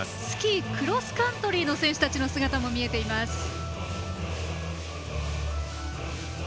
スキー・クロスカントリーその選手たちの姿も見えました。